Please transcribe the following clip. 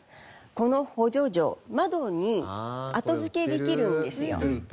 この補助錠窓に後付けできるんですよ。